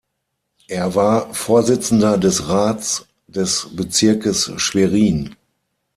Er war Vorsitzender des Rats des Bezirkes Schwerin.